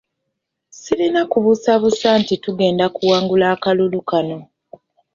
Sirina kubuusabuusa nti tugenda kuwangula akalulu kano.